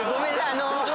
あの。